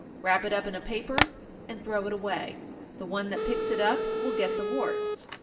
Wrap it up in a paper, and throw it away. The one that picks it up will get the warts.